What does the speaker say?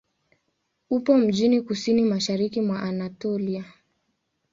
Upo mjini kusini-mashariki mwa Anatolia.